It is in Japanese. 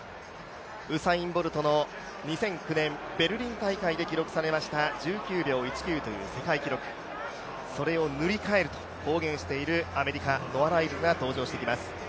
ウサイン・ボルトの２００９年、ベルリン大会で記録されました１９秒１９という世界記録、それを塗り替えると公言しているアメリカ、ノア・ライルズが登場してきます。